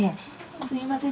すみません